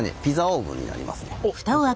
ピザオーブンになりますね。